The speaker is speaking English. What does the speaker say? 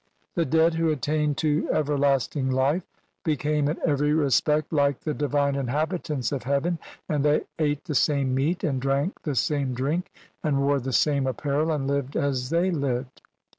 The dead who attained to everlasting life became in every respect like the divine inhabitants of heaven, and they ate the same meat, and drank the same drink, and wore the same apparel, and lived as they lived.